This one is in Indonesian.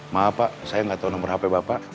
maaf pak saya gak tau nomor hp bapak